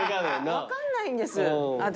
分かんないんです私。